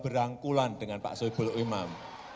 berangkulan dengan pak soebul imam